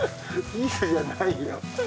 ピースじゃないよ。